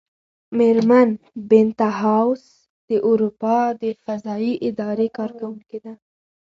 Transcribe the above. مېرمن بینتهاوس د اروپا د فضايي ادارې کارکوونکې ده.